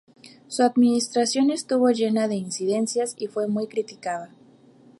Su administración estuvo llena de incidencias y fue muy criticada.